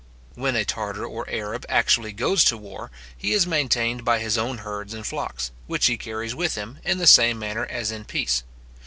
When a Tartar or Arab actually goes to war, he is maintained by his own herds and flocks, which he carries with him, in the same manner as in peace.